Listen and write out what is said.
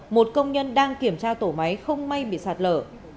một công nhân đang kiểm tra tổ máy không may bị sạt lở